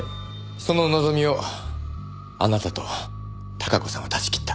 その望みをあなたと孝子さんは断ち切った。